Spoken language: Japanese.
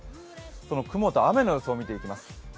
その雲と雨の予想をみていきます。